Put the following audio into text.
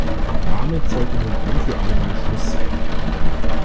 Damit sollte nun ein für alle Mal Schluss sein.